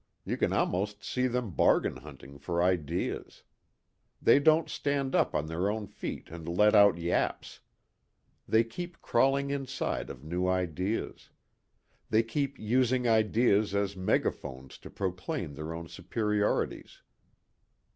You can almost see them bargain hunting for ideas. They don't stand up on their own feet and let out yaps. They keep crawling inside of new ideas. They keep using ideas as megaphones to proclaim their own superiorities.